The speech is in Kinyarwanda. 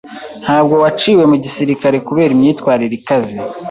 Ntabwo waciwe mu gisirikare kubera imyitwarire ikaze.